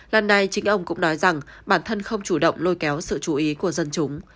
lần này chính ông cũng nói rằng bản thân không chủ động lôi kéo sự chú ý của dân chúng